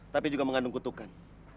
tapi juga mengandung kutukan